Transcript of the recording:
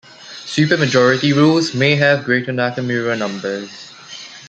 Supermajority rules may have greater Nakamura numbers.